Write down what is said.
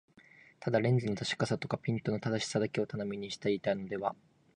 ただレンズの確かさとかピントの正しさだけを頼みにしていたのでは、